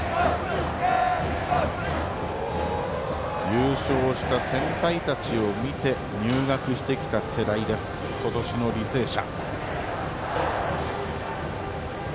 優勝した先輩たちを見て入学してきた世代です今年の履正社。